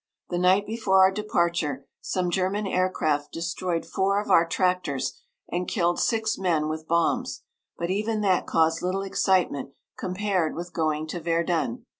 The night before our departure some German aircraft destroyed four of our tractors and killed six men with bombs, but even that caused little excitement compared with going to Verdun.